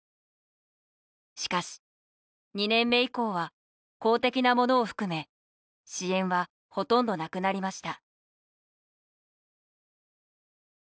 しかし２年目以降は公的なものを含め支援はほとんどなくなりました。